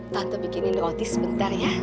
tante bikinin roti sebentar ya